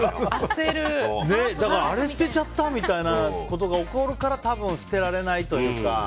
だからあれ捨てちゃったみたいなことが起こるから多分捨てられないというか。